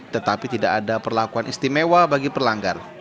tetapi tidak ada perlakuan istimewa bagi pelanggar